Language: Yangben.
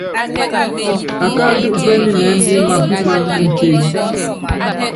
Akáándɔ u pɛ́nimɛ́nd mapiman museny.